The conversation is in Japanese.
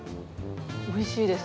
おいしいです。